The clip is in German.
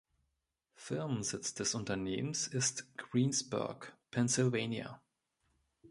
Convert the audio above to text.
Firmensitz des Unternehmens ist Greensburg, Pennsylvania.